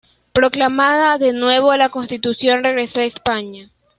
Proclamada, de nuevo, la Constitución, regresó a España.